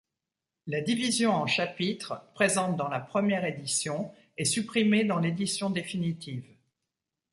La division en chapitres, présente dans la première édition, est supprimée dans l'édition définitive.